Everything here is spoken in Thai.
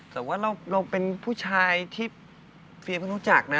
แต่ว่าเราเป็นผู้ชายที่เฟียเพิ่งรู้จักนะ